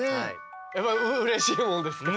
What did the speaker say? やっぱりうれしいものですか？